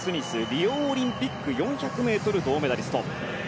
リオオリンピック４００ｍ銅メダリスト。